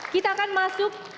kita akan masuk